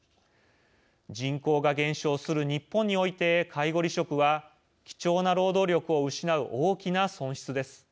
人口が減少する日本において介護離職は貴重な労働力を失う大きな損失です。